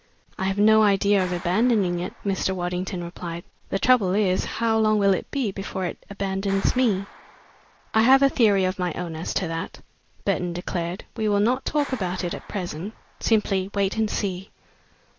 "I have no idea of abandoning it," Mr. Waddington replied. "The trouble is, how long will it be before it abandons me?" "I have a theory of my own as to that," Burton declared. "We will not talk about it at present simply wait and see."